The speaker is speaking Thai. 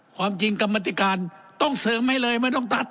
ความจริงกรรมธิการต้องเสริมให้เลยไม่ต้องตัด